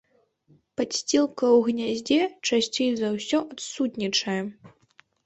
Падсцілка ў гняздзе часцей за ўсё адсутнічае.